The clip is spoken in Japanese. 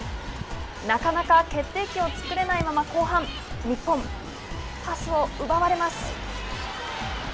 なかなか決定機を作れないまま後半日本、パスを奪われます。